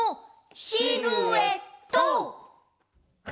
シルエット！